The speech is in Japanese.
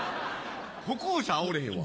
歩行者あおれへんわ。